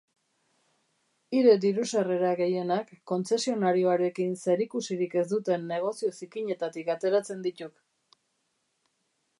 Hire dirusarrera gehienak kontzesionarioarekin zerikusirik ez duten negozio zikinetatik ateratzen dituk.